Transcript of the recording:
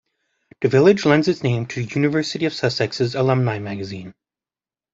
The village lends its name to the University of Sussex's alumni magazine.